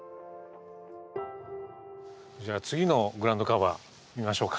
じゃあ次のグラウンドカバー見ましょうか。